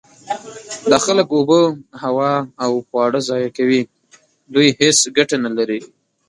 دا خلک اوبه، هوا او خواړه ضایع کوي. دوی هیڅ ګټه نلري.